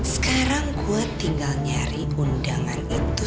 sekarang gue tinggal nyari undangan itu